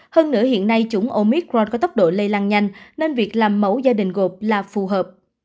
hơn nửa hiện nay chủng omicron có tốc độ lây lan nhanh nên việc làm mẫu gia đình gột là phù hợp